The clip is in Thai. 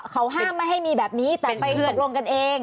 เขาห้ามไม่ให้มีแบบนี้แต่ไปตกลงกันเอง